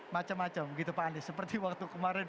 macam macam seperti waktu kemarin